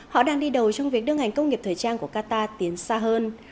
họ đang đi đầu trong việc đưa ngành công nghiệp thời trang của qatar tiến xa hơn